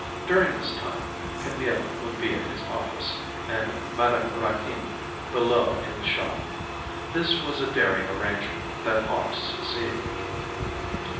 During this time, Camille would be at his office, and Madame Raquin below, in the shop. This was a daring arrangement that ought to succeed.